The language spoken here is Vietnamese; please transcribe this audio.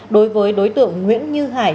đối với đối tượng nguyễn như hải